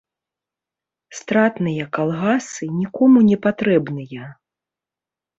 Стратныя калгасы нікому не патрэбныя.